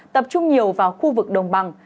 tập trung nhiều vào khu vực đồng bằng